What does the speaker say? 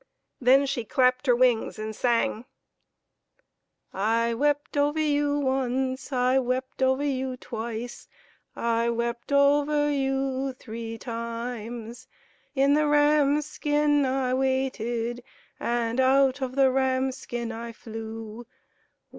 Then she clapped her wings and sang : THE BIRD IN THE LINDEN TREE. 97 "I wept over you once, I wept over you twice, I wept over you three times. In the ram's skin I waited, And out of the ram's skin I flew.